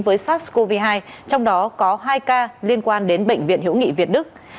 với sars cov hai trong đó có hai ca liên quan đến bệnh viện hữu nghị việt đức